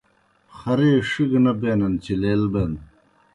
خرے ݜِکہ نہ بینَن چہ لیل بین۔